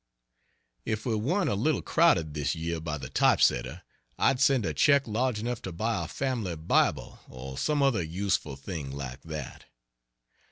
If we weren't a little crowded this year by the typesetter, I'd send a check large enough to buy a family Bible or some other useful thing like that.